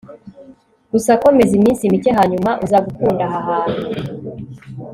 gusa komeza iminsi mike hanyuma uza gukunda aha hantu